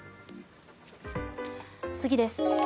次です。